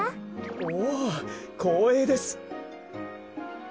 おおこうえいです。